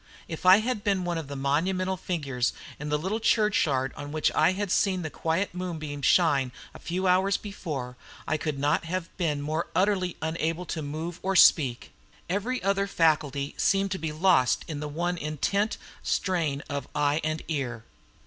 If I had been one of the monumental figures in the little churchyard on which I had seen the quiet moonbeams shine a few hours before I could not have been more utterly unable to move or speak; every other faculty seemed to be lost in the one intent strain of eye and ear.